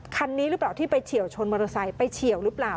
คันนี้หรือเปล่าที่ไปเฉียวชนมอเตอร์ไซค์ไปเฉียวหรือเปล่า